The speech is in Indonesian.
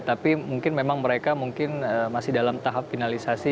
tapi mungkin memang mereka mungkin masih dalam tahap finalisasi